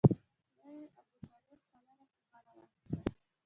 تره یې ابوطالب پالنه په غاړه واخسته.